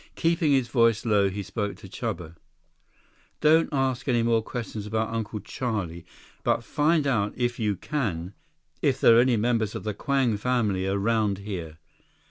Keeping his voice low, he spoke to Chuba. "Don't ask any more questions about Uncle Charlie. But find out, if you can, if there are any members of the Kwang family around here."